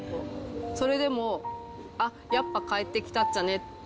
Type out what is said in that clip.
それでも、あっ、やっぱ帰ってきたっちゃねって